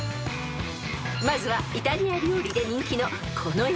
［まずはイタリア料理で人気のこの野菜］